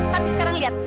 tapi sekarang lihat